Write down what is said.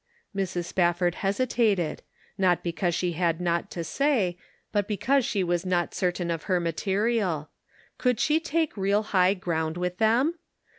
Mrs. Spafford hesitated ; not because she had nought to say, but because she was not cer tain of her material. Could she take real high ground with them